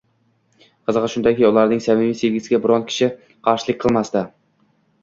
Qizig`i shundaki, ularning samimiy sevgisiga biron kishi qarshilik qilmasdi